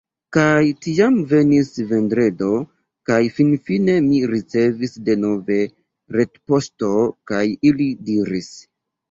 Kaj tiam venis Vendredo, kaj finfine, mi ricevis denove retpoŝton, kaj ili diris: